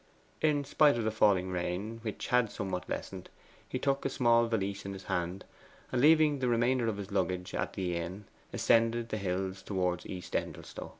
In spite of the falling rain, which had somewhat lessened, he took a small valise in his hand, and, leaving the remainder of his luggage at the inn, ascended the hills towards East Endelstow.